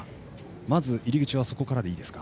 まず、入り口はそこからでいいですか？